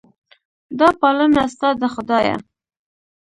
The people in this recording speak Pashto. دا پالنه ستا ده خدایه.